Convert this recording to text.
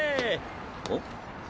おっ？